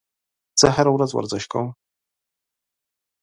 زه هره ورځ ورزش کوم.